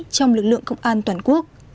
trong lực lượng công an toàn quốc